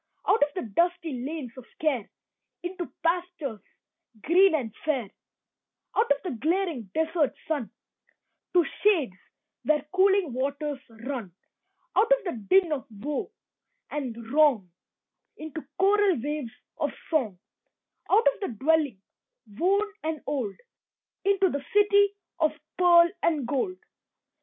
Out of the dusty lanes of care Into pastures green and fair. Out of the glaring desert sun To shades where cooling waters run. Out of the din of woe and wrong Into choral waves of song Out of the dwelling, worn and old, Into the city of pearl and gold.